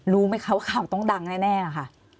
รู้ไหมคะว่าข่าวต้องดังแน่ค่ะ